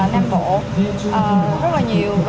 đến cái vùng nam bộ